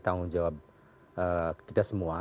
tanggung jawab kita semua